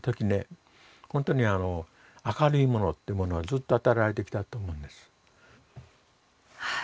本当に明るいものっていうものをずっと与えられてきたと思うんです。